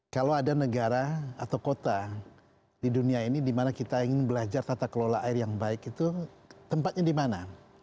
kalau ada negara atau kota di dunia ini dimana kita ingin belajar tata kelola air yang baik itu tempatnya di mana